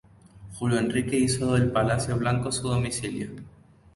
Julio Enrique hizo del Palacio Blanco su domicilio.